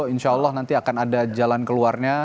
insya allah nanti akan ada jalan keluarnya